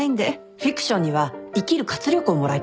フィクションには生きる活力をもらいたいですよね。